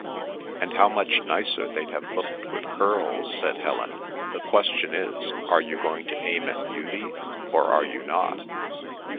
"And how much nicer they'd have looked with curls!" said Helen. "The question is, are you going to aim at beauty or are you not?"